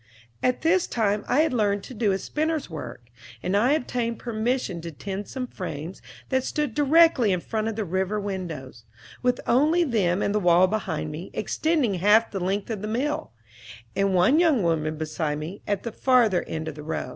At this time I had learned to do a spinner's work, and I obtained permission to tend some frames that stood directly in front of the river windows, with only them and the wall behind me, extending half the length of the mill, and one young woman beside me, at the farther end of the row.